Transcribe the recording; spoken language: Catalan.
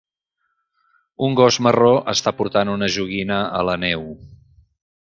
Un gos marró està portant una joguina a la neu.